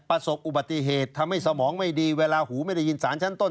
ประสบอุบัติเหตุทำให้สมองไม่ดีเวลาหูไม่ได้ยินสารชั้นต้น